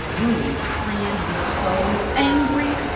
Drury's friend was so angry.